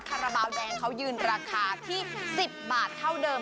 คาราบาลแดงเขายืนราคาที่๑๐บาทเท่าเดิม